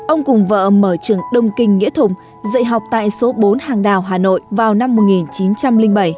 ông cùng vợ mở trường đông kinh nghĩa thục dạy học tại số bốn hàng đào hà nội vào năm một nghìn chín trăm linh bảy